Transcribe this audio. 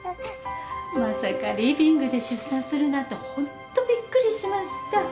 まさかリビングで出産するなんてホントびっくりしました。